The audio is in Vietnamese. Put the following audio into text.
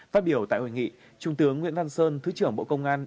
phát biểu tại hội nghị trung tướng nguyễn văn sơn thứ trưởng bộ công an